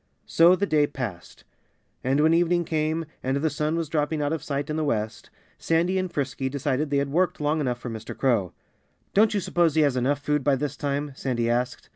So the day passed. And when evening came, and the sun was dropping out of sight in the west, Sandy and Frisky decided they had worked long enough for Mr. Crow. "Don't you suppose he has enough food by this time?" Sandy asked.